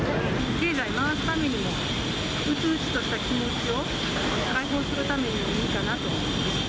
経済回すためにも、うつうつとした気持ちを解放するためにもいいかなと。